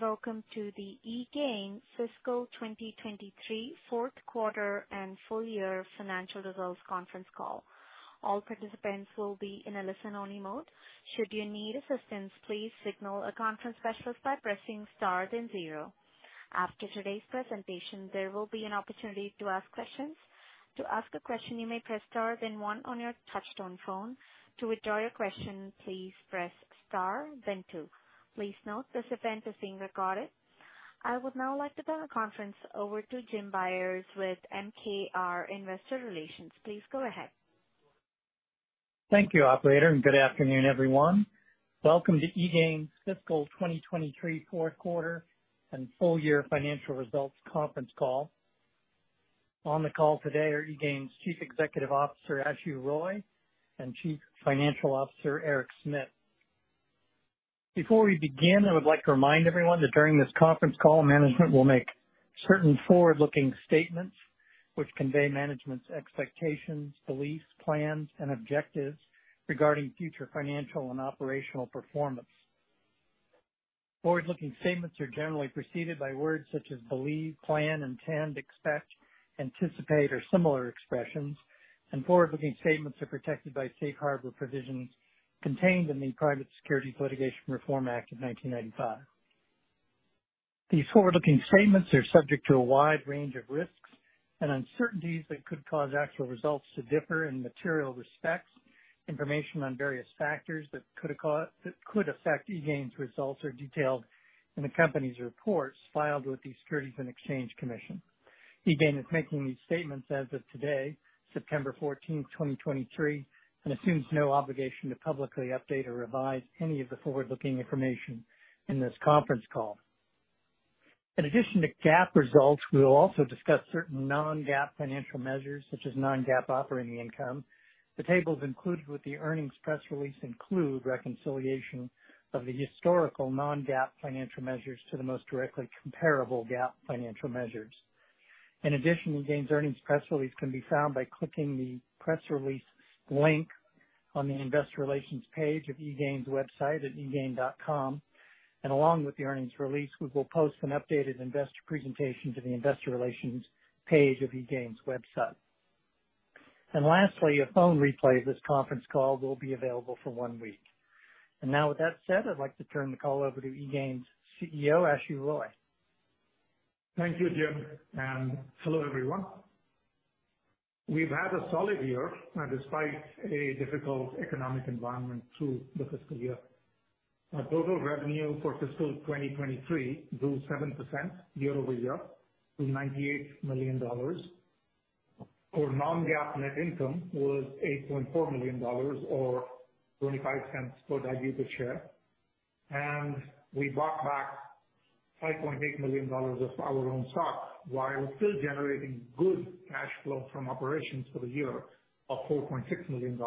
Welcome to the eGain Fiscal 2023 fourth quarter and full year financial results conference call. All participants will be in a listen-only mode. Should you need assistance, please signal a conference specialist by pressing star then zero. After today's presentation, there will be an opportunity to ask questions. To ask a question, you may press star then one on your touchtone phone. To withdraw your question, please press star then two. Please note this event is being recorded. I would now like to turn the conference over to Jim Byers with MKR Investor Relations. Please go ahead. Thank you, operator, and good afternoon, everyone. Welcome to eGain's Fiscal 2023 fourth quarter and full year financial results conference call. On the call today are eGain's Chief Executive Officer, Ashu Roy, and Chief Financial Officer, Eric Smit. Before we begin, I would like to remind everyone that during this conference call, management will make certain forward-looking statements which convey management's expectations, beliefs, plans, and objectives regarding future financial and operational performance. Forward-looking statements are generally preceded by words such as believe, plan, intend, expect, anticipate, or similar expressions. And forward-looking statements are protected by safe harbor provisions contained in the Private Securities Litigation Reform Act of 1995. These forward-looking statements are subject to a wide range of risks and uncertainties that could cause actual results to differ in material respects. Information on various factors that could affect eGain's results are detailed in the company's reports filed with the Securities and Exchange Commission. eGain is making these statements as of today, September 14, 2023, and assumes no obligation to publicly update or revise any of the forward-looking information in this conference call. In addition to GAAP results, we will also discuss certain non-GAAP financial measures, such as non-GAAP operating income. The tables included with the earnings press release include reconciliation of the historical non-GAAP financial measures to the most directly comparable GAAP financial measures. In addition, eGain's earnings press release can be found by clicking the Press Release link on the Investor Relations page of eGain's website at eGain.com. Along with the earnings release, we will post an updated investor presentation to the Investor Relations page of eGain's website. Lastly, a phone replay of this conference call will be available for one week. Now, with that said, I'd like to turn the call over to eGain's CEO, Ashu Roy. Thank you, Jim, and hello, everyone. We've had a solid year, despite a difficult economic environment through the fiscal year. Our total revenue for fiscal 2023 grew 7% year-over-year to $98 million. Our Non-GAAP net income was $8.4 million or $0.25 per diluted share. We bought back $5.8 million of our own stock, while still generating good cash flow from operations for the year of $4.6 million,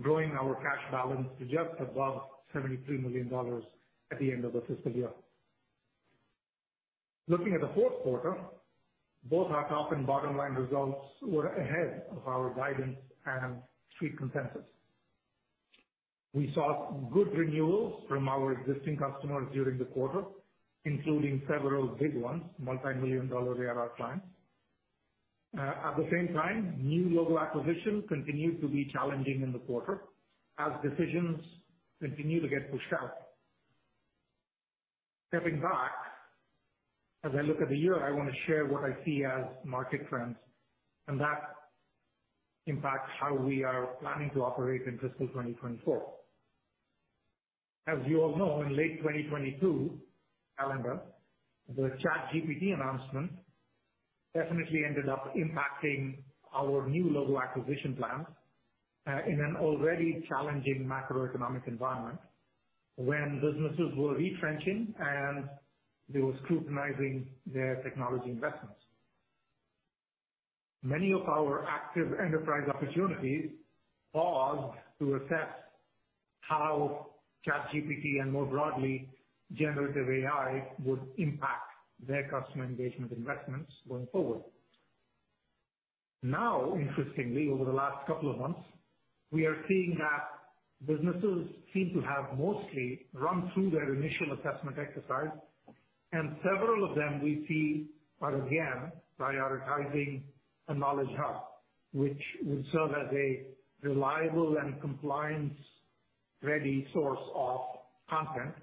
growing our cash balance to just above $73 million at the end of the fiscal year. Looking at the fourth quarter, both our top and bottom line results were ahead of our guidance and Street consensus. We saw good renewals from our existing customers during the quarter, including several big ones, multimillion-dollar ARR clients. At the same time, new logo acquisition continued to be challenging in the quarter as decisions continued to get pushed out. Stepping back, as I look at the year, I want to share what I see as market trends, and that impacts how we are planning to operate in fiscal 2024. As you all know, in late 2022, calendar, the ChatGPT announcement definitely ended up impacting our new logo acquisition plans, in an already challenging macroeconomic environment, when businesses were retrenching and they were scrutinizing their technology investments. Many of our active enterprise opportunities paused to assess how ChatGPT and more broadly, generative AI, would impact their customer engagement investments going forward. Now, interestingly, over the last couple of months, we are seeing that businesses seem to have mostly run through their initial assessment exercise, and several of them we see are again prioritizing a knowledge hub, which would serve as a reliable and compliance-ready source of content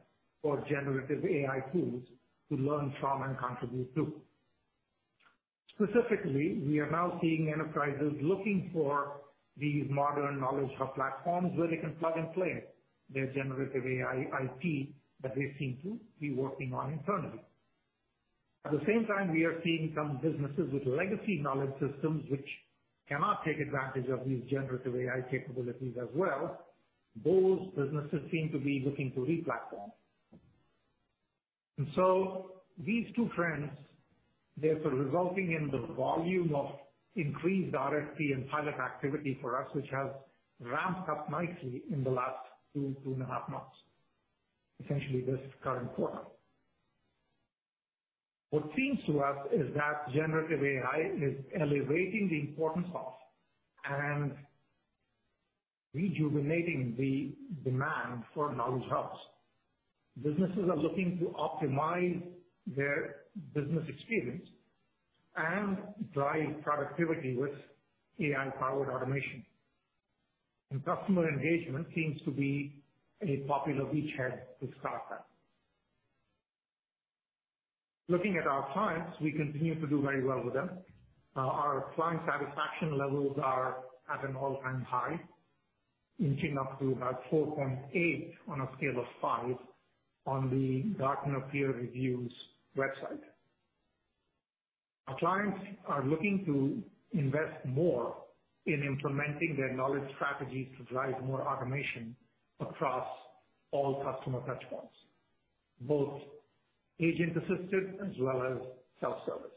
for generative AI tools to learn from and contribute to. Specifically, we are now seeing enterprises looking for these modern knowledge hub platforms, where they can plug and play their generative AI IP that they seem to be working on internally. At the same time, we are seeing some businesses with legacy knowledge systems, which cannot take advantage of these generative AI capabilities as well. Those businesses seem to be looking to re-platform. These two trends are sort of resulting in the volume of increased RFP and pilot activity for us, which has ramped up nicely in the last two, 2.5 months, essentially this current quarter. What seems to us is that generative AI is elevating the importance of and rejuvenating the demand for knowledge hubs. Businesses are looking to optimize their business experience and drive productivity with AI-powered automation, and customer engagement seems to be a popular beachhead to start that. Looking at our clients, we continue to do very well with them. Our client satisfaction levels are at an all-time high, inching up to about 4.8 on a scale of five on the Gartner Peer Reviews website. Our clients are looking to invest more in implementing their knowledge strategies to drive more automation across all customer touchpoints, both agent-assisted as well as self-service.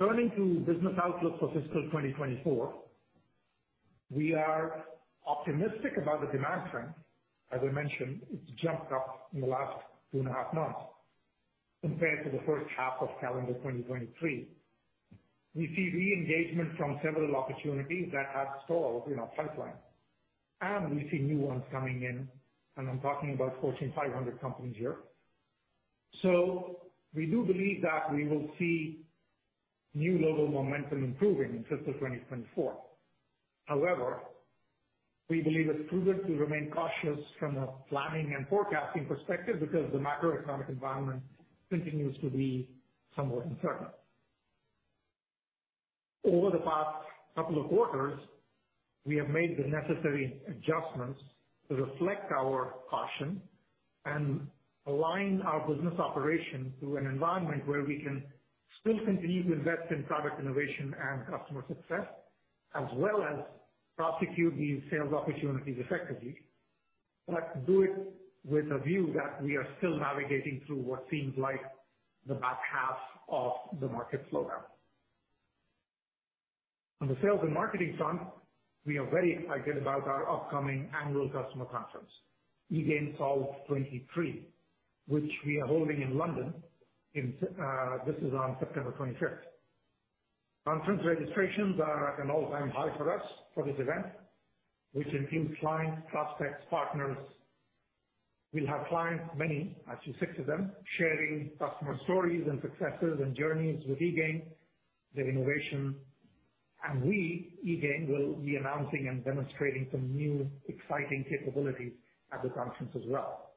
Turning to business outlook for fiscal 2024, we are optimistic about the demand trend. As I mentioned, it's jumped up in the last two and a half months compared to the first half of calendar 2023. We see re-engagement from several opportunities that have stalled in our pipeline, and we see new ones coming in, and I'm talking about Fortune 500 companies here. So we do believe that we will see new logo momentum improving in fiscal 2024. However, we believe it's prudent to remain cautious from a planning and forecasting perspective because the macroeconomic environment continues to be somewhat uncertain. Over the past couple of quarters, we have made the necessary adjustments to reflect our caution and align our business operations to an environment where we can still continue to invest in product innovation and customer success, as well as prosecute these sales opportunities effectively, but do it with a view that we are still navigating through what seems like the back half of the market slowdown. On the sales and marketing front, we are very excited about our upcoming annual customer conference, eGain Solve 23, which we are holding in London in September. This is on September 25th. Conference registrations are at an all-time high for us for this event, which includes clients, prospects, partners. We'll have clients, many, actually six of them, sharing customer stories and successes and journeys with eGain, their innovation. We, eGain, will be announcing and demonstrating some new exciting capabilities at the conference as well.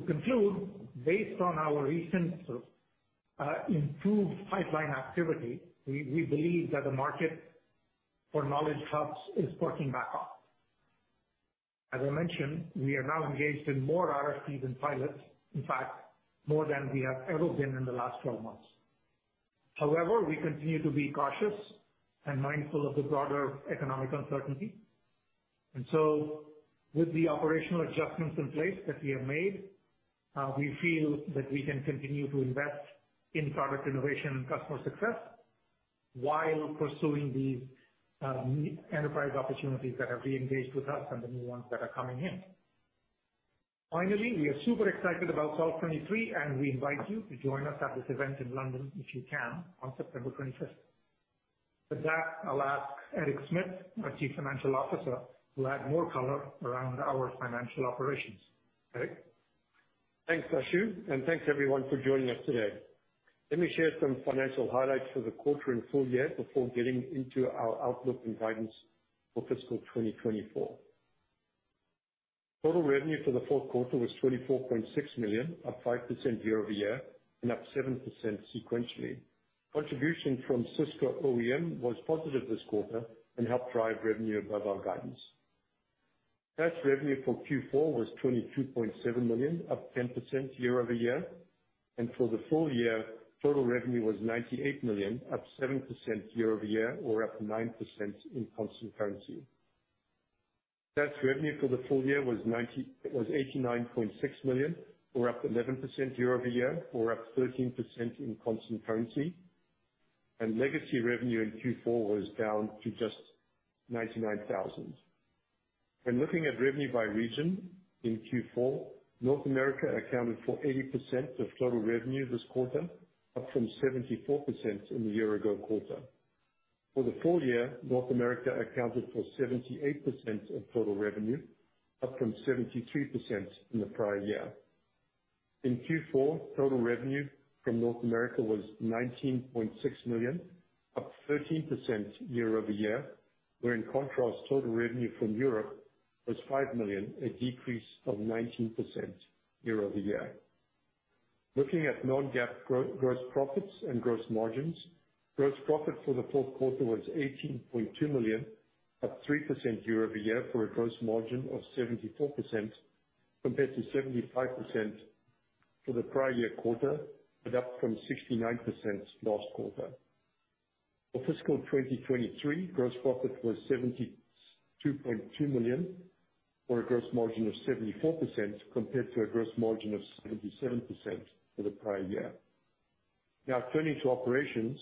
To conclude, based on our recent improved pipeline activity, we believe that the market for knowledge hubs is picking back up. As I mentioned, we are now engaged in more RFPs than pilots, in fact, more than we have ever been in the last 12 months. However, we continue to be cautious and mindful of the broader economic uncertainty. So with the operational adjustments in place that we have made, we feel that we can continue to invest in product innovation and customer success while pursuing these enterprise opportunities that have reengaged with us and the new ones that are coming in. Finally, we are super excited about Solve 23, and we invite you to join us at this event in London, if you can, on September 25. With that, I'll ask Eric Smit, our Chief Financial Officer, to add more color around our financial operations. Eric? Thanks, Ashu, and thanks everyone for joining us today. Let me share some financial highlights for the quarter and full year before getting into our outlook and guidance for fiscal 2024. Total revenue for the fourth quarter was $24.6 million, up 5% year-over-year, and up 7% sequentially. Contribution from Cisco OEM was positive this quarter and helped drive revenue above our guidance. SaaS revenue for Q4 was $22.7 million, up 10% year-over-year, and for the full year, total revenue was $98 million, up 7% year-over-year or up 9% in constant currency. SaaS revenue for the full year was eighty-nine point six million, or up 11% year-over-year, or up 13% in constant currency. And legacy revenue in Q4 was down to just $99,000. When looking at revenue by region in Q4, North America accounted for 80% of total revenue this quarter, up from 74% in the year-ago quarter. For the full year, North America accounted for 78% of total revenue, up from 72% in the prior year. In Q4, total revenue from North America was $19.6 million, up 13% year-over-year, where in contrast, total revenue from Europe was $5 million, a decrease of 19% year-over-year. Looking at non-GAAP gross profits and gross margins, gross profit for the fourth quarter was $18.2 million, up 3% year-over-year, for a gross margin of 74%, compared to 75% for the prior-year quarter, but up from 69% last quarter. For fiscal 2023, gross profit was $72.2 million, or a gross margin of 74%, compared to a gross margin of 77% for the prior year. Now turning to operations.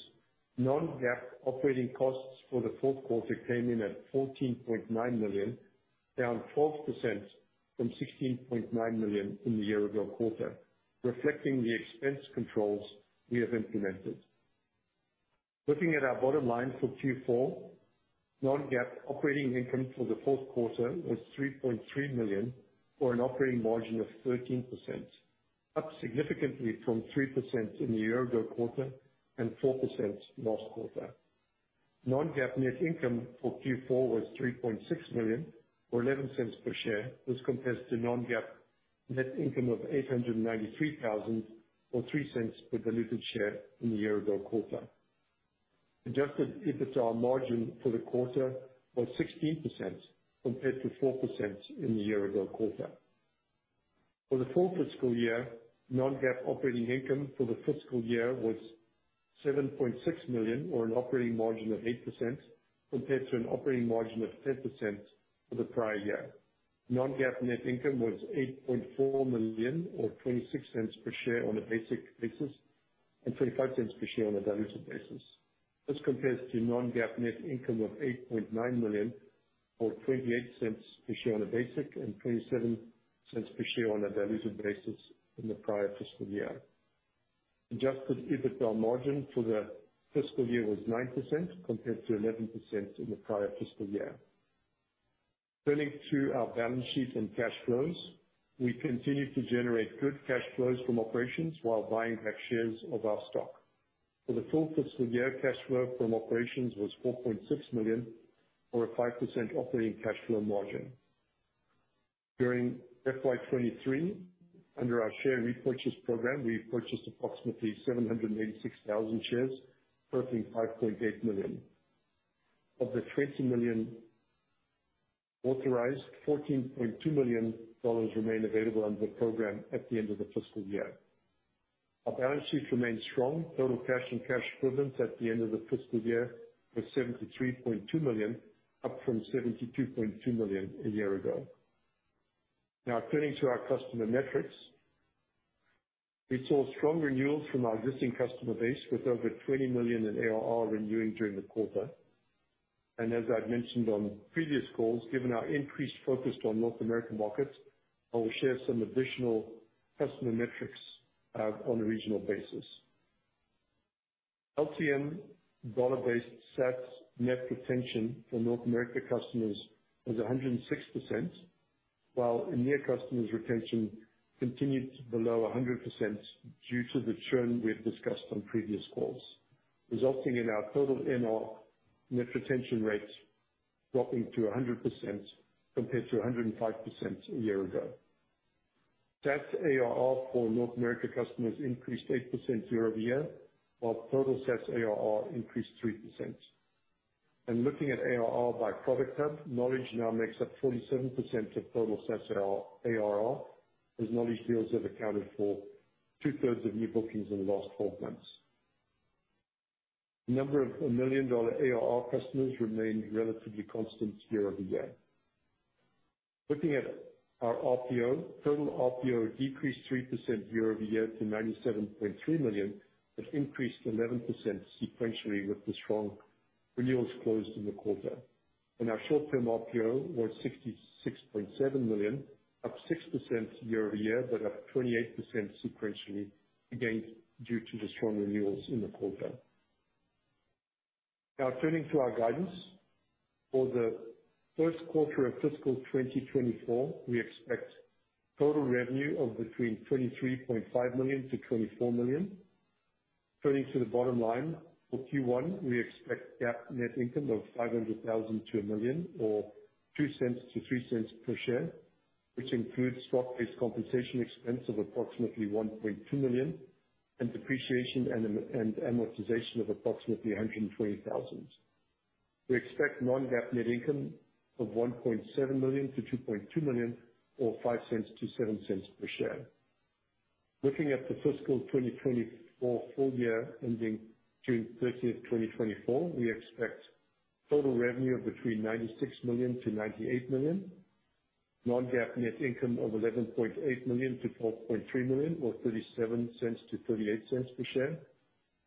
Non-GAAP operating costs for the fourth quarter came in at $14.9 million, down 12% from $16.9 million in the year-ago quarter, reflecting the expense controls we have implemented. Looking at our bottom line for Q4, non-GAAP operating income for the fourth quarter was $3.3 million, or an operating margin of 13%, up significantly from 3% in the year-ago quarter and 4% last quarter. Non-GAAP net income for Q4 was $3.6 million, or 11 cents per share, as compared to non-GAAP net income of $893,000, or 3 cents per diluted share in the year-ago quarter. Adjusted EBITDA margin for the quarter was 16% compared to 4% in the year-ago quarter. For the full fiscal year, non-GAAP operating income for the fiscal year was $7.6 million, or an operating margin of 8% compared to an operating margin of 10% for the prior year. Non-GAAP net income was $8.4 million, or $0.26 per share on a basic basis and $0.25 per share on a dilutive basis. This compares to non-GAAP net income of $8.9 million, or $0.28 per share on a basic and $0.27 per share on a dilutive basis in the prior fiscal year. Adjusted EBITDA margin for the fiscal year was 9% compared to 11% in the prior fiscal year. Turning to our balance sheet and cash flows, we continue to generate good cash flows from operations while buying back shares of our stock. For the full fiscal year, cash flow from operations was $4.6 million, or a 5% operating cash flow margin. During FY 2023, under our share repurchase program, we purchased approximately 786,000 shares, worth $5.8 million. Of the $20 million authorized, $14.2 million remain available under the program at the end of the fiscal year. Our balance sheet remains strong. Total cash and cash equivalents at the end of the fiscal year was $73.2 million, up from $72.2 million a year ago. Now turning to our customer metrics. We saw strong renewals from our existing customer base, with over $20 million in ARR renewing during the quarter. As I've mentioned on previous calls, given our increased focus on North American markets, I will share some additional customer metrics on a regional basis. LTM dollar-based SaaS net retention for North America customers was 106%, while EMEA customers retention continued below 100% due to the churn we had discussed on previous calls, resulting in our total NR net retention rates dropping to 100% compared to 105% a year ago. SaaS ARR for North America customers increased 8% year-over-year, while total SaaS ARR increased 3%. And looking at ARR by product hub, knowledge now makes up 47% of total SaaS ARR, as knowledge deals have accounted for two-thirds of new bookings in the last twelve months. The number of $1 million ARR customers remained relatively constant year-over-year. Looking at our RPO, total RPO decreased 3% year-over-year to $97.3 million, but increased 11% sequentially with the strong renewals closed in the quarter. Our short-term RPO was $66.7 million, up 6% year-over-year, but up 28% sequentially, again, due to the strong renewals in the quarter. Now turning to our guidance. For the first quarter of fiscal 2024, we expect total revenue of between $23.5 million and $24 million. Turning to the bottom line, for Q1, we expect GAAP net income of $500,000-$1 million, or $0.02-$0.03 per share, which includes stock-based compensation expense of approximately $1.2 million, and depreciation and amortization of approximately $120,000. We expect non-GAAP net income of $1.7 million-$2.2 million, or $0.05-$0.07 per share. Looking at the fiscal 2024 full year ending June 30, 2024, we expect total revenue of between $96 million-$98 million, non-GAAP net income of $11.8 million-$12.3 million, or $0.37-$0.38 per share,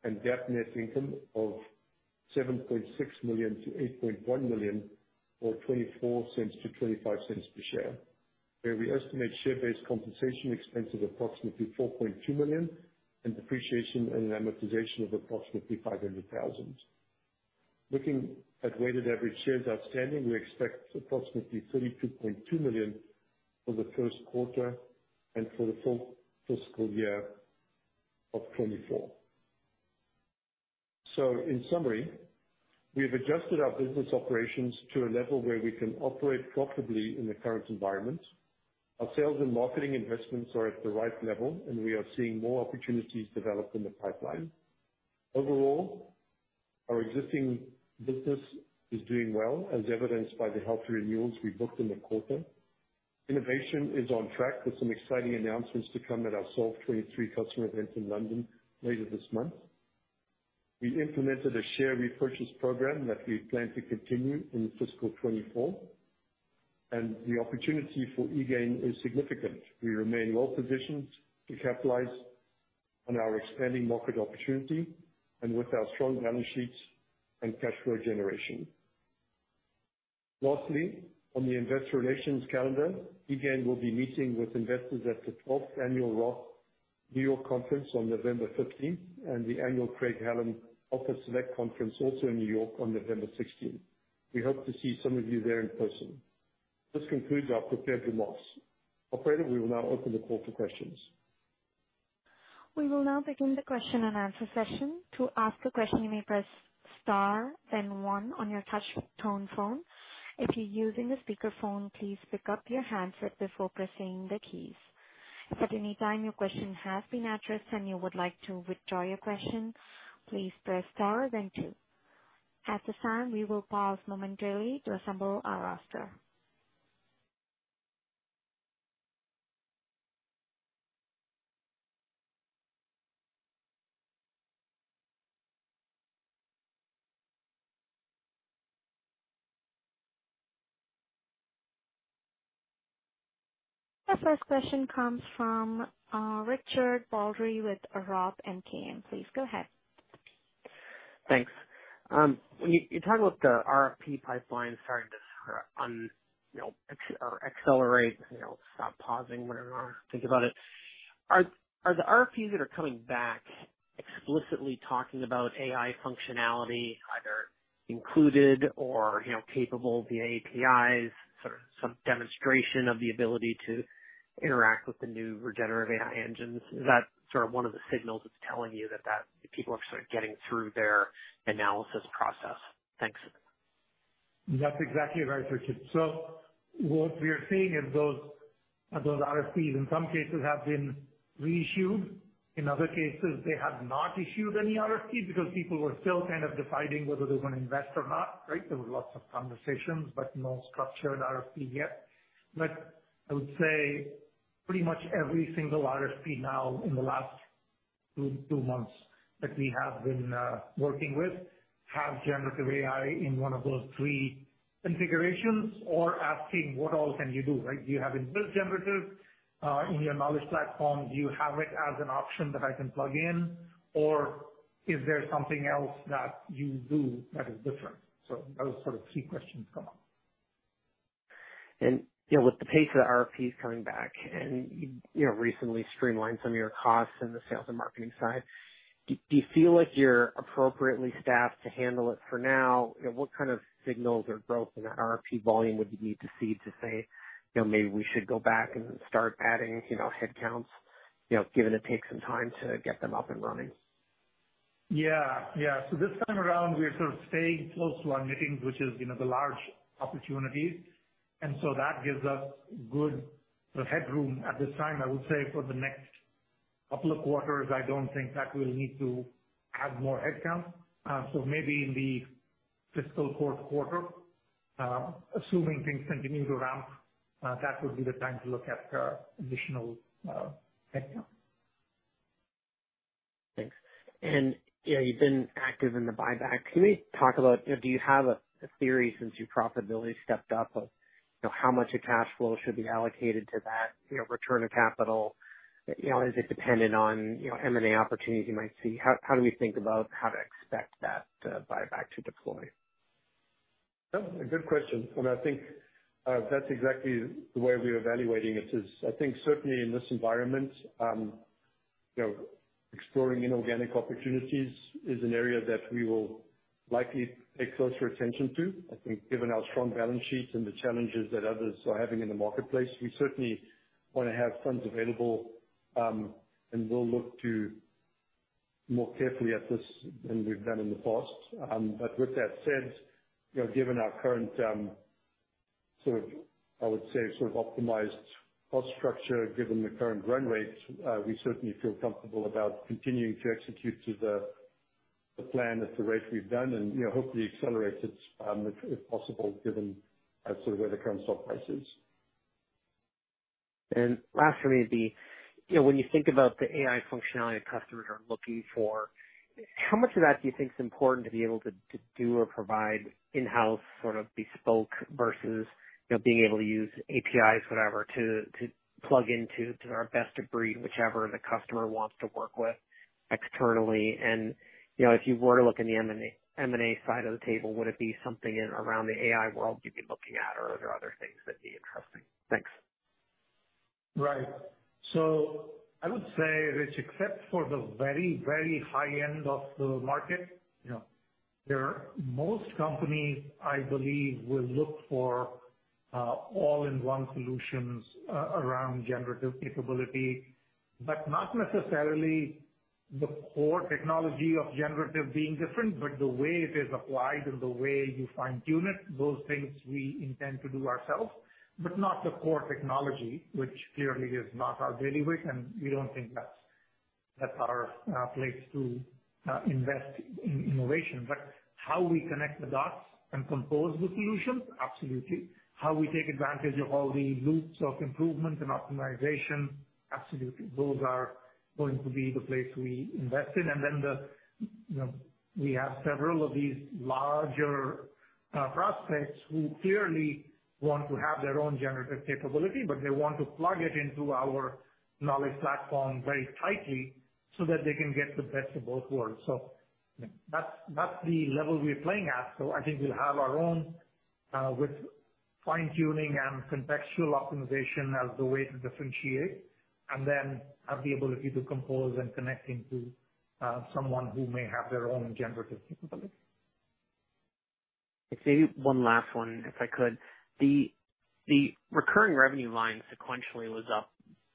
and GAAP net income of $7.6 million-$8.1 million, or $0.24-$0.25 per share, where we estimate share-based compensation expense of approximately $4.2 million, and depreciation and amortization of approximately $500,000. Looking at weighted average shares outstanding, we expect approximately 32.2 million for the first quarter and for the full fiscal year of 2024. So in summary, we've adjusted our business operations to a level where we can operate profitably in the current environment. Our sales and marketing investments are at the right level, and we are seeing more opportunities develop in the pipeline. Overall, our existing business is doing well, as evidenced by the healthy renewals we booked in the quarter. Innovation is on track with some exciting announcements to come at our Solve 23 customer event in London later this month. We implemented a share repurchase program that we plan to continue in fiscal 2024, and the opportunity for eGain is significant. We remain well positioned to capitalize on our expanding market opportunity and with our strong balance sheets and cash flow generation. Lastly, on the investor relations calendar, eGain will be meeting with investors at the 12th Annual Roth New York Conference on November 15, and the annual Craig-Hallum Alpha Select Conference, also in New York, on November 16. We hope to see some of you there in person. This concludes our prepared remarks. Operator, we will now open the call for questions. We will now begin the question and answer session. To ask a question, you may press star then one on your touch tone phone. If you're using a speakerphone, please pick up your handset before pressing the keys. If at any time your question has been addressed and you would like to withdraw your question, please press star then two. At this time, we will pause momentarily to assemble our roster. Our first question comes from Richard Baldry with Roth Capital. Please, go ahead. Thanks. When you talk about the RFP pipeline starting to accelerate, you know, stop pausing, whatever, think about it. Are the RFPs that are coming back explicitly talking about AI functionality, either included or, you know, capable via APIs, sort of some demonstration of the ability to interact with the new generative AI engines? Is that sort of one of the signals that's telling you that people are sort of getting through their analysis process? Thanks. That's exactly right, Richard. So what we are seeing is those, those RFPs, in some cases, have been reissued. In other cases, they have not issued any RFPs because people were still kind of deciding whether they were going to invest or not, right? There was lots of conversations, but no structured RFP yet. But I would say pretty much every single RFP now in the last two, two months that we have been working with, have generative AI in one of those three configurations, or asking: "What all can you do?" Right? "Do you have it built generative in your knowledge platform? Do you have it as an option that I can plug in? Or is there something else that you do that is different?" So those are sort of key questions come up. You know, with the pace of the RFPs coming back and, you know, recently streamlined some of your costs in the sales and marketing side, do you feel like you're appropriately staffed to handle it for now? You know, what kind of signals or growth in that RFP volume would you need to see to say, "You know, maybe we should go back and start adding, you know, headcounts," you know, given it takes some time to get them up and running? Yeah. Yeah. So this time around, we are sort of staying close to our winnings, which is, you know, the large opportunities, and so that gives us good headroom at this time. I would say for the next couple of quarters, I don't think that we'll need to add more headcount. So maybe in the fiscal fourth quarter, assuming things continue to ramp, that would be the time to look at additional headcount. Thanks. And, you know, you've been active in the buyback. Can you talk about, you know, do you have a theory since your profitability stepped up of, you know, how much of cash flow should be allocated to that, you know, return of capital? You know, is it dependent on, you know, M&A opportunities you might see? How do we think about how to expect that buyback to deploy? Oh, a good question, and I think, that's exactly the way we are evaluating it is, I think, certainly in this environment, you know, exploring inorganic opportunities is an area that we will likely pay closer attention to. I think given our strong balance sheet and the challenges that others are having in the marketplace, we certainly want to have funds available, and we'll look to more carefully at this than we've done in the past. But with that said, you know, given our current, sort of, I would say, sort of optimized cost structure, given the current run rates, we certainly feel comfortable about continuing to execute to the plan at the rate we've done and, you know, hopefully accelerate it, if possible, given, sort of where the current stock price is. And lastly, you know, when you think about the AI functionality customers are looking for, how much of that do you think is important to be able to, to do or provide in-house, sort of bespoke versus, you know, being able to use APIs, whatever, to, to plug into to our best degree, whichever the customer wants to work with externally? And, you know, if you were to look in the M&A, M&A side of the table, would it be something in around the AI world you'd be looking at, or are there other things that'd be interesting? Thanks. Right. So I would say, Rich, except for the very, very high end of the market, you know, there are most companies, I believe, will look for all-in-one solutions around generative capability, but not necessarily the core technology of generative being different, but the way it is applied and the way you fine-tune it, those things we intend to do ourselves. But not the core technology, which clearly is not our delivery, and we don't think that's our place to invest in innovation. But how we connect the dots and compose the solutions? Absolutely. How we take advantage of all the loops of improvement and optimization? Absolutely. Those are going to be the place we invest in. And then, you know, we have several of these larger-... Prospects who clearly want to have their own generative capability, but they want to plug it into our knowledge platform very tightly so that they can get the best of both worlds. So that's, that's the level we're playing at. So I think we'll have our own, with fine-tuning and contextual optimization as the way to differentiate, and then have the ability to compose and connect into, someone who may have their own generative capability. I'd say one last one, if I could. The recurring revenue line sequentially was up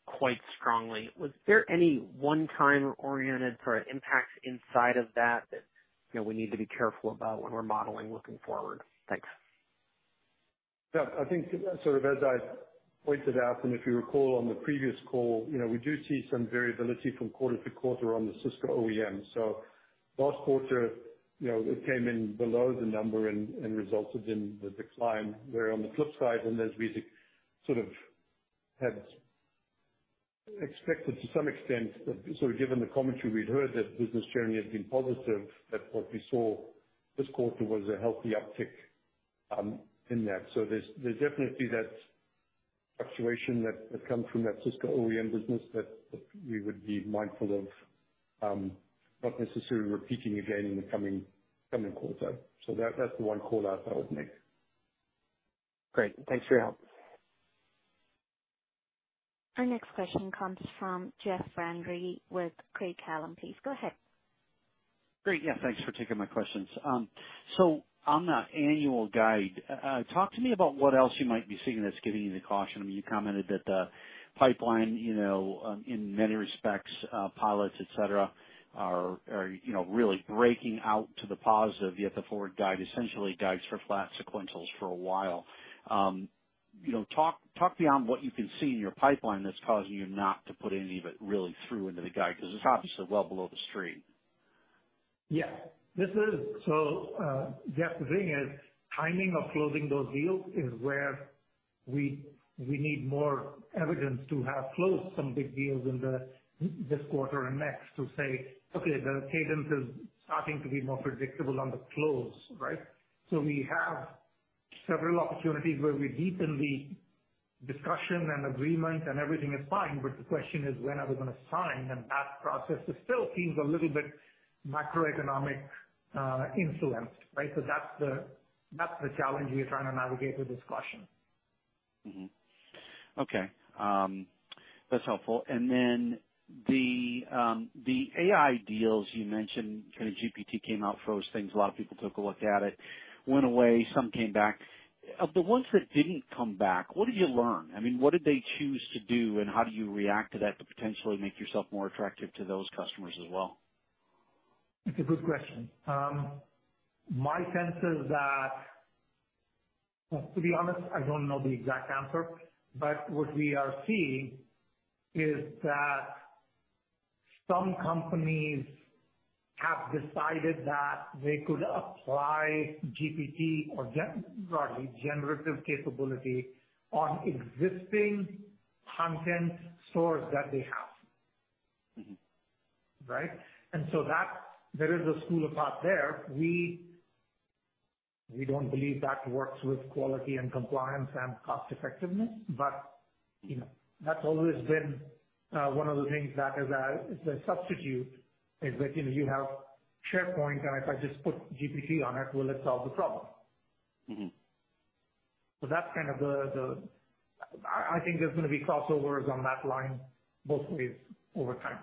quite strongly. Was there any one time oriented sort of impact inside of that, that, you know, we need to be careful about when we're modeling looking forward? Thanks. Yeah, I think, sort of, as I pointed out, and if you recall on the previous call, you know, we do see some variability from quarter to quarter on the Cisco OEM. So last quarter, you know, it came in below the number and resulted in the decline, where on the flip side, and as we sort of had expected to some extent, so given the commentary we'd heard, that business journey has been positive, that what we saw this quarter was a healthy uptick in that. So there's definitely that fluctuation that comes from that Cisco OEM business that we would be mindful of, not necessarily repeating again in the coming quarter. So that's the one call out I would make. Great. Thanks for your help. Our next question comes from Jeff Van Rhee with Craig-Hallum. Please, go ahead. Great. Yeah, thanks for taking my questions. So on the annual guide, talk to me about what else you might be seeing that's giving you the caution. I mean, you commented that the pipeline, you know, in many respects, pilots, et cetera, are, you know, really breaking out to the positive, yet the forward guide essentially guides for flat sequentials for a while. You know, talk beyond what you can see in your pipeline that's causing you not to put any of it really through into the guide, because it's obviously well below the Street. Yeah, So, Jeff, the thing is, timing of closing those deals is where we need more evidence to have closed some big deals in this quarter and next to say, "Okay, the cadence is starting to be more predictable on the close," right? So we have several opportunities where we deepen the discussion and agreement and everything is fine, but the question is, when are we going to sign? And that process still seems a little bit macroeconomic influenced, right? So that's the challenge we are trying to navigate with this question. Mm-hmm. Okay. That's helpful. And then the AI deals you mentioned, kind of, GPT came out, froze things, a lot of people took a look at it, went away, some came back. Of the ones that didn't come back, what did you learn? I mean, what did they choose to do, and how do you react to that to potentially make yourself more attractive to those customers as well? It's a good question. My sense is that... To be honest, I don't know the exact answer, but what we are seeing is that some companies have decided that they could apply GPT or generative broadly, generative capability on existing content stores that they have. Mm-hmm. Right? And so that, there is a school of thought there. We don't believe that works with quality and compliance and cost effectiveness, but, you know, that's always been one of the things that is a substitute, is that, you know, you have SharePoint, and if I just put GPT on it, will it solve the problem? Mm-hmm. So that's kind of the, I think there's going to be crossovers on that line both ways over time.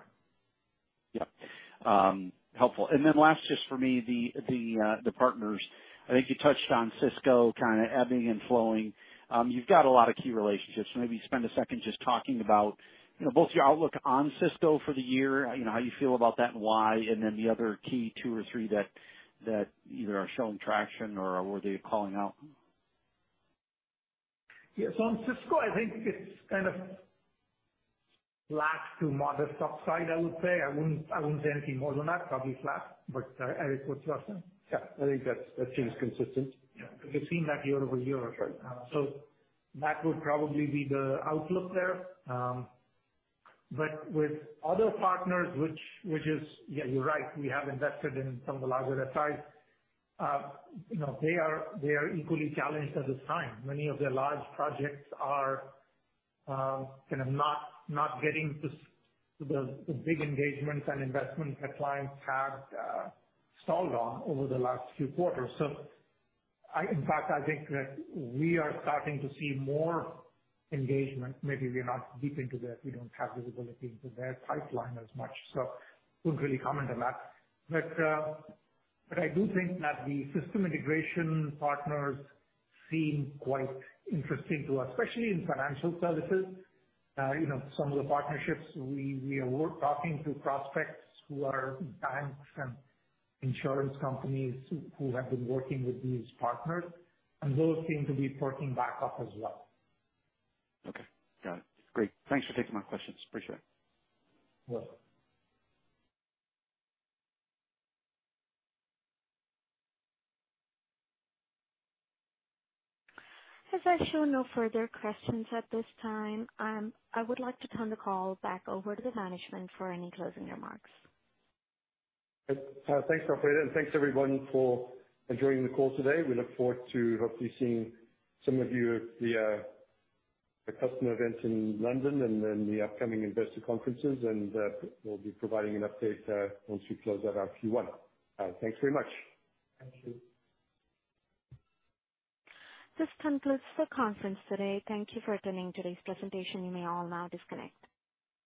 Yeah. Helpful. And then last, just for me, the partners. I think you touched on Cisco kind of ebbing and flowing. You've got a lot of key relationships. Maybe spend a second just talking about, you know, both your outlook on Cisco for the year, you know, how you feel about that and why, and then the other key two or three that either are showing traction or were they calling out? Yeah. So on Cisco, I think it's kind of flat to modest upside, I would say. I wouldn't, I wouldn't say anything more than that. Probably flat, but, Eric, what's your answer? Yeah, I think that's, that seems consistent. Yeah, we've seen that year-over-year. Right. So that would probably be the outlook there. But with other partners, which, which is, yeah, you're right, we have invested in some of the larger sides. You know, they are, they are equally challenged at this time. Many of their large projects are kind of not, not getting the, the, the big engagements and investments that clients have stalled on over the last few quarters. So in fact, I think that we are starting to see more engagement. Maybe we are not deep into that, we don't have visibility into their pipeline as much, so wouldn't really comment on that. But but I do think that the system integration partners seem quite interesting to us, especially in financial services. You know, some of the partnerships, we are talking to prospects who are banks and insurance companies who have been working with these partners, and those seem to be perking back up as well. Okay, got it. Great. Thanks for taking my questions. Appreciate it. You're welcome. As I'm showing no further questions at this time, I would like to turn the call back over to the management for any closing remarks. Thanks, Alfredo, and thanks, everyone, for joining the call today. We look forward to hopefully seeing some of you at the customer events in London and then the upcoming investor conferences, and we'll be providing an update once we close out our Q1. Thanks very much. Thank you. This concludes the conference today. Thank you for attending today's presentation. You may all now disconnect.